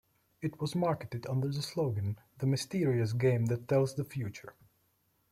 It was marketed under the slogan, The Mysterious Game that Tells the Future.